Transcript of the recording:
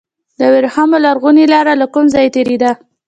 د وریښمو لرغونې لاره له کوم ځای تیریده؟